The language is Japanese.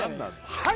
はい！